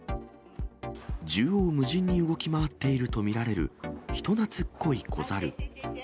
縦横無尽に動き回っていると見られる人なつっこい子猿。